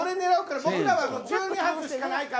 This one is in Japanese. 僕らは１２発しかないから。